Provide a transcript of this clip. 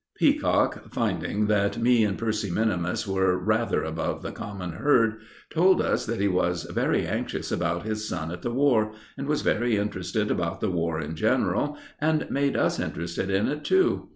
Peacock, finding that me and Percy minimus were rather above the common herd, told us that he was very anxious about his son at the War, and was very interested about the War in general, and made us interested in it, too.